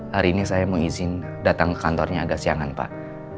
hari ini saya mau izin datang ke kantornya agak siangan pak